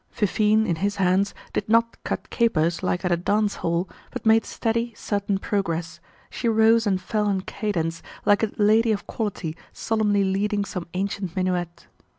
Fifine, in his hands, did not cut capers, like at a dance hall, but made steady, certain progress; she rose and fell in cadence, like a lady of quality solemnly leading some ancient minuet.